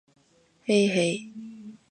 へいへい